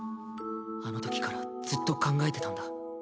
あのときからずっと考えてたんだ。